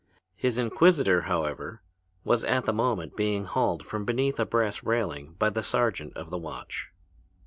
His inquisitor, however, was, at the moment, being hauled from beneath a brass railing by the sergeant of the watch.